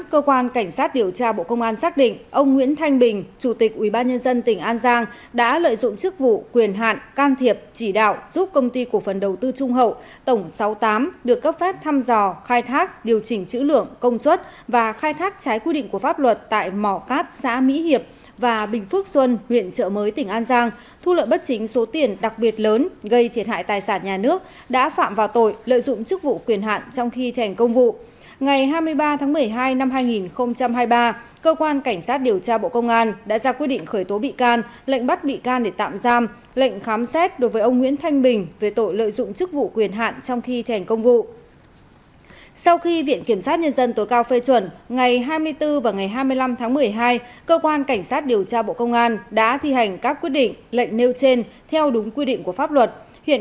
cơ quan cảnh sát điều tra bộ công an đang điều tra vụ án vi phạm quy định về nghiên cứu thăm dò khai thác tài nguyên đưa hối lộ nhận hối lộ lợi dụng chức vụ quyền hạn trong khi thành công vụ xảy ra tại công ty cổ phần đầu tư trung hậu tổng sáu mươi tám sở tài nguyên và môi trường tỉnh an giang và các đơn vị liên quan